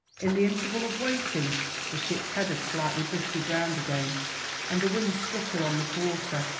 In the interval of waiting, the ship's head had slightly drifted round, again, and the wind struck her on the quarter.